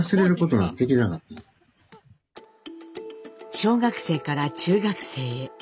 小学生から中学生へ。